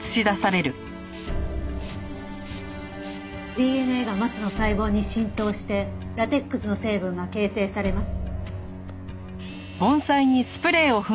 ＤＮＡがマツの細胞に浸透してラテックスの成分が形成されます。